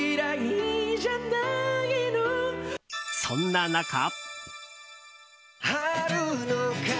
そんな中。